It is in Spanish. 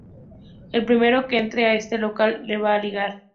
El primero que entre a este local, la va a ligar.